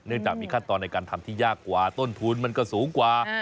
จากมีขั้นตอนในการทำที่ยากกว่าต้นทุนมันก็สูงกว่า